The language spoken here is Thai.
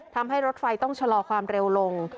ทำให้รถไฟต้องชะลอความเร็วลง